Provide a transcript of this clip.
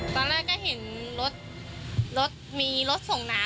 ตอนแรกก็เห็นรถรถมีรถส่งน้ำ